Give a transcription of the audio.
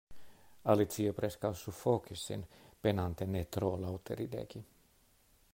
Alicio preskaŭ sufokis sin, penante ne tro laŭte ridegi.